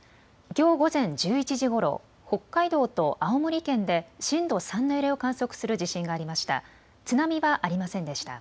きょう午前１１時ごろ北海道と青森県で震度３の揺れを観測する地震がありました。